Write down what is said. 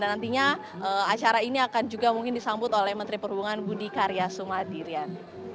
dan nantinya acara ini akan juga mungkin disambut oleh menteri perhubungan budi karya sumadi rian